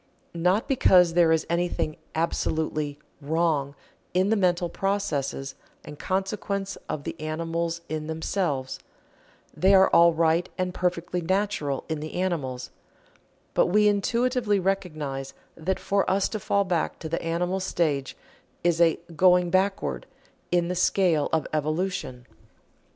Not because there is anything absolutely "Wrong" in the mental processes and consequent of the animals in themselves they are all right and perfectly natural in the animals but we intuitively recognize that for us to fall back to the animal stage is a "going backward" in the scale of evolution.